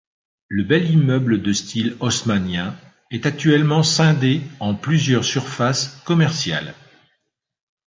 Le bel immeuble de style haussmannien, est actuellement scindé en plusieurs surfaces commerciales.